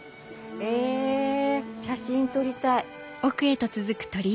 え写真撮りたい。